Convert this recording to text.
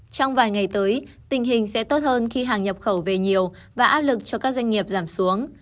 trong vài ngày tới tình hình sẽ tốt hơn khi hàng nhập khẩu về nhiều và áp lực cho các doanh nghiệp giảm xuống